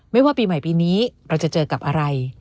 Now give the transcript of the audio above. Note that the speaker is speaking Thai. ว่าปีใหม่ปีนี้เราจะเจอกับอะไร